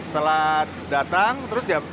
setelah datang terus apa pak